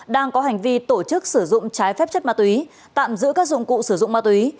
đang có hành vi tổ chức sử dụng trái phép chất ma túy tạm giữ các dụng cụ sử dụng ma túy